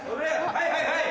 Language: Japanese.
はいはいはい。